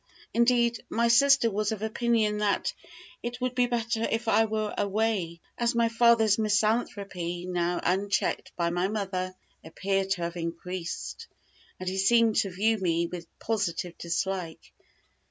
Indeed, my sister was of opinion, that it would be better if I were away, as my father's misanthropy, now unchecked by my mother, appeared to have increased, and he seemed to view me with positive dislike.